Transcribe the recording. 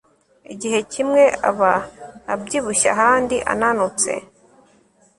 igihe kimwe aba abyibushye ahandi ananutse